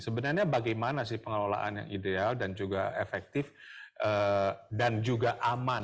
sebenarnya bagaimana sih pengelolaan yang ideal dan juga efektif dan juga aman